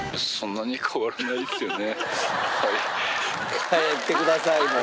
帰ってくださいもう。